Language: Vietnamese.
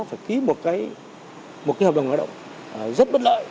phải ký một hợp đồng lao động rất bất lợi